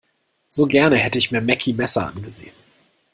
So gerne hätte ich mir Meckie Messer angesehen.